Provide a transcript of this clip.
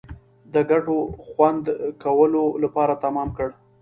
د ګټو د خوندي کولو لپاره تمام کړ.